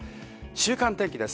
週間天気です。